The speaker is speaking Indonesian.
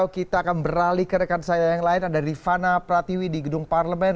kita akan beralih ke rekan saya yang lain ada rifana pratiwi di gedung parlemen